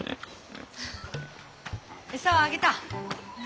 餌はあげた！